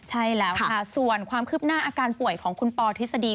ใช่แล้วค่ะส่วนความคืบหน้าอาการป่วยของคุณปอทฤษฎี